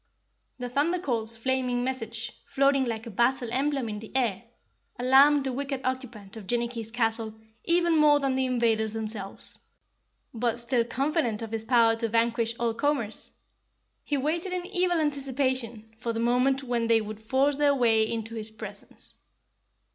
The Thunder Colt's flaming message, floating like a battle emblem in the air, alarmed the wicked occupant of Jinnicky's castle even more than the invaders themselves. But still confident of his power to vanquish all comers, he waited in evil anticipation for the moment when they would force their way into his presence.